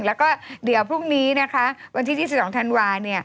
แล้วก็เดี๋ยวพรุ่งนี้นะคะวันที่๒๒ธันวา